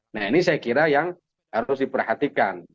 nah ini saya kira yang harus diperhatikan